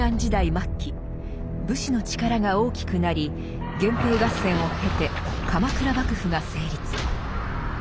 末期武士の力が大きくなり源平合戦を経て鎌倉幕府が成立。